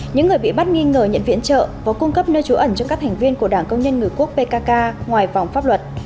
những người bị bắt nghi ngờ nhận viện trợ và cung cấp nơi trú ẩn cho các thành viên của đảng công nhân người quốc pkk ngoài vòng pháp luật